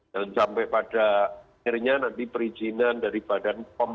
dan sampai pada akhirnya nanti perizinan dari badan komunikasi